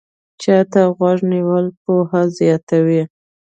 چا ته غوږ نیول پوهه زیاتوي